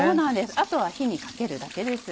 あとは火にかけるだけです。